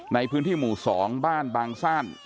ในพื้นที่หมู่๒บ้านบางซ่าน